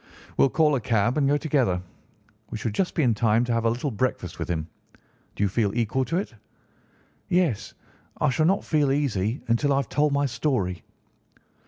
"We'll call a cab and go together. We shall just be in time to have a little breakfast with him. Do you feel equal to it?" "Yes; I shall not feel easy until I have told my story."